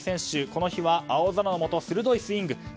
この日は青空のもと鋭いスイング。